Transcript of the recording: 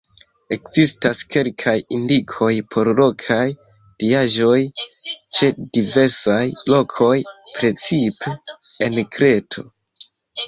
Ekzistas kelkaj indikoj por lokaj diaĵoj ĉe diversaj lokoj, precipe en Kreto.